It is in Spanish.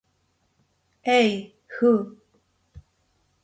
Hey Ho!